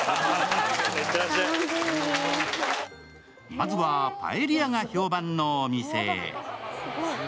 まずはパエリアが評判のお店へ。